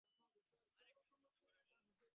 আর-একটু স্পষ্ট করে বলো।